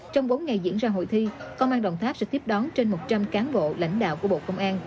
trong bốn ngày diễn ra hội thi công an đồng tháp sẽ tiếp đón trên một trăm linh cán bộ lãnh đạo của bộ công an